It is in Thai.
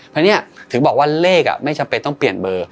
เพราะเนี่ยถึงบอกว่าเลขไม่จำเป็นต้องเปลี่ยนเบอร์